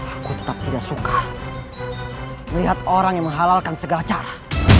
aku tetap tidak suka melihat orang yang menghalalkan segala cara